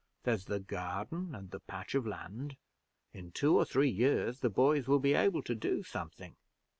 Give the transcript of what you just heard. There's the garden, and the patch of land: in two or three years, the boys will be able to do something.